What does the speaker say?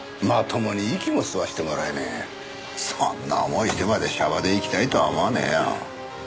そんな思いしてまで娑婆で生きたいとは思わねえよ。